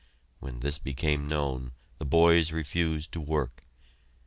When this became known, the boys refused to work!